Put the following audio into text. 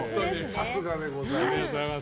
さすがでございます。